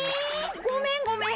ごめんごめん。